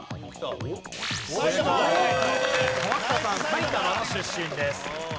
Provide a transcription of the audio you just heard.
埼玉の出身です。